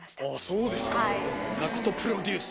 そうですかＧＡＣＫＴプロデュース。